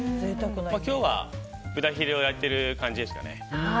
今日は豚ヒレを焼いている感じです。